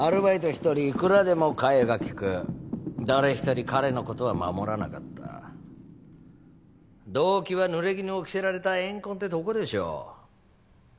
一人いくらでもかえがきく誰一人彼のことは守らなかった動機はぬれぎぬを着せられた怨恨ってとこでしょう